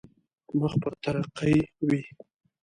مخ پر ترقي وي.